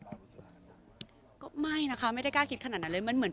บางทีเค้าแค่อยากดึงเค้าต้องการอะไรจับเราไหล่ลูกหรือยังไง